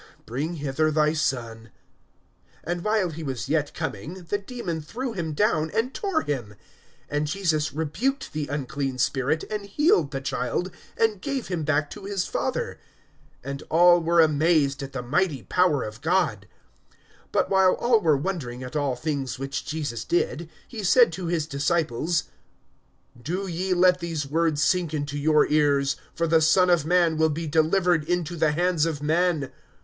Bring hither thy son. (42)And while he was yet coming, the demon threw him down, and tore him. And Jesus rebuked the unclean spirit, and healed the child, and gave him back to his father. (43)And all were amazed at the mighty power of God. But while all were wondering at all things which Jesus did, he said to his disciples: (44)Do ye let these words sink into your ears, for the Son of man will be delivered into the hands of men.